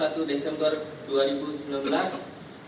yang melaporkan adanya kendala kitas online